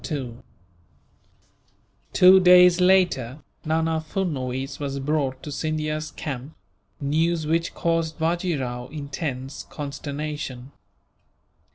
Two days later, Nana Furnuwees was brought to Scindia's camp news which caused Bajee Rao intense consternation.